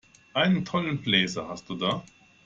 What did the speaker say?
Einen tollen Blazer hast du da!